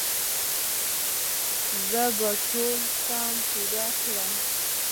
زه به ټول سم پوه کړم